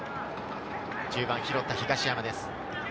１０番、拾った東山です。